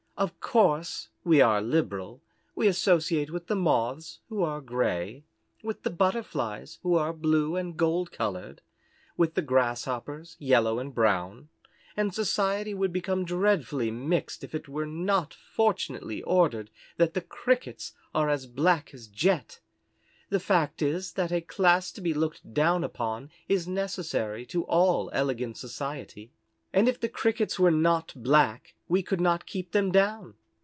Of course, we are liberal; we associate with the Moths, who are gray; with the Butterflies, who are blue and gold coloured; with the Grasshoppers, yellow and brown; and society would become dreadfully mixed if it were not fortunately ordered that the Crickets are as black as jet. The fact is that a class to be looked down upon is necessary to all elegant society, and if the Crickets were not black we could not keep them down.